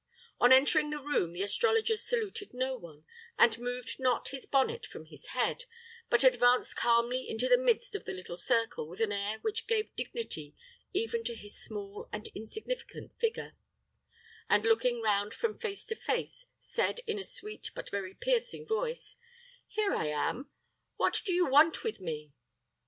On entering the room, the astrologer saluted no one, and moved not his bonnet from his head, but advanced calmly into the midst of the little circle with an air which gave dignity even to his small and insignificant figure, and, looking round from face to face, said, in a sweet but very piercing voice, "Here I am. What do you want with me?"